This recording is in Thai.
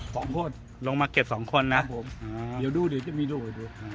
สองคนลงมาเก็บสองคนนะครับผมเดี๋ยวดูดิจะมีดูให้ดูอ่า